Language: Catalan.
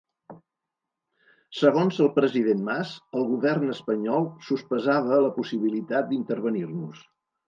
Segons el president Mas, el Govern espanyol sospesava la possibilitat d'intervenir-nos.